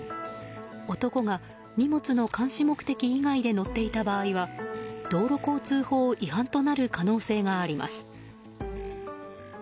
男が荷物の監視目的以外で乗っていた場合は道路交通法違反となる可能性があります。